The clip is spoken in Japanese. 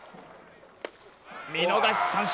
見逃し三振。